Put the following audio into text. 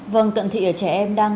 vâng cận thị ở trẻ em đang